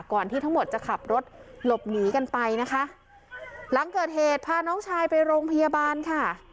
ที่ทั้งหมดจะขับรถหลบหนีกันไปนะคะหลังเกิดเหตุพาน้องชายไปโรงพยาบาลค่ะ